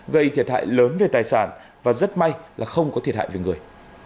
gây thiệt hại lớn về tài sản và rất may là không có thiệt hại về người